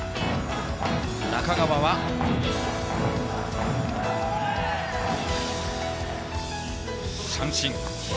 中川は三振。